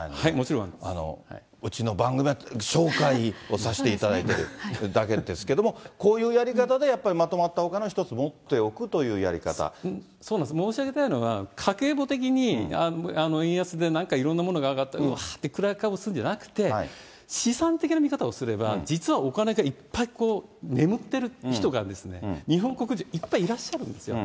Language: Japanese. うちの番組は紹介をさせていただいてるだけですけれども、こういうやり方でやっぱりまとまったお金を一つ持っておくというそうなんです、申し上げたいのは、家計簿的に円安でなんかいろんなものが上がって、はーって暗い顔するんじゃなくて、資産的な見方をすれば、実はお金がいっぱい眠ってる人が、日本国中いっぱいいらっしゃるんですよ。